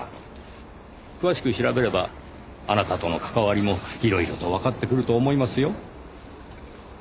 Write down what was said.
詳しく調べればあなたとの関わりも色々とわかってくると思いますよ。